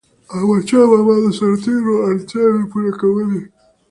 احمدشاه بابا به د سرتيرو اړتیاوي پوره کولي.